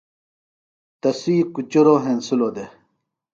تسی کُچُروۡ ہینسِلوۡ دےۡ۔